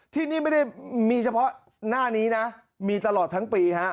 ที่นี่ไม่ได้มีเฉพาะหน้านี้นะมีตลอดทั้งปีฮะ